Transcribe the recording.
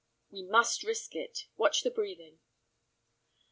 "We must risk it; watch the breathing."